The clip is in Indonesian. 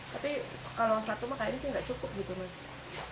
tapi kalau satu mah kayaknya sih nggak cukup gitu mas